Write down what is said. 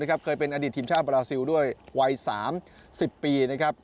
เคยเป็นอดีตทีมชาวประสิวด้วยวัย๓๐ปี